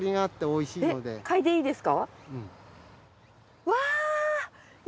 いいんですか？